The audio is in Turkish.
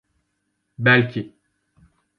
Belki.